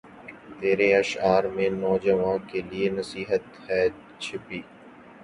تیرے اشعار میں نوجواں کے لیے نصیحت ھے چھپی